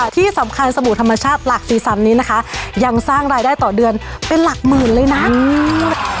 ที่สำคัญสบู่ธรรมชาติหลักสีสันนี้นะคะยังสร้างรายได้ต่อเดือนเป็นหลักหมื่นเลยนะอืม